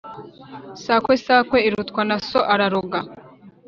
Sakwe sakwe irutwa na so araroga.